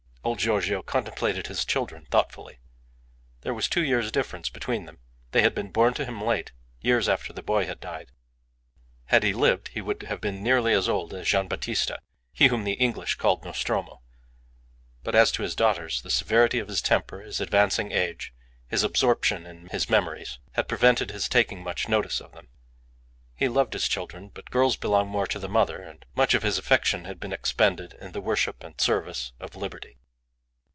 Old Giorgio contemplated his children thoughtfully. There was two years difference between them. They had been born to him late, years after the boy had died. Had he lived he would have been nearly as old as Gian' Battista he whom the English called Nostromo; but as to his daughters, the severity of his temper, his advancing age, his absorption in his memories, had prevented his taking much notice of them. He loved his children, but girls belong more to the mother, and much of his affection had been expended in the worship and service of liberty.